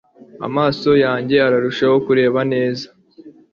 amaso yanjye ararushaho kureba neza